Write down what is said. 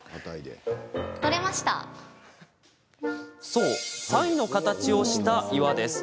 そう、サイの形をした岩です。